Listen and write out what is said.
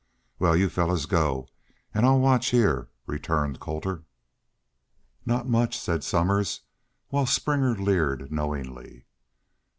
"Wal, y'u fellars go, an' I'll watch heah," returned Colter. "Not much," said Somers, while Springer leered knowingly.